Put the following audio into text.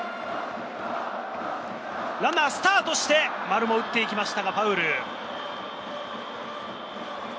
ランナー、スタートして丸も打っていきましたがファウル。